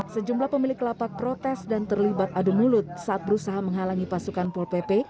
sejumlah pemilik lapak protes dan terlibat adu mulut saat berusaha menghalangi pasukan pol pp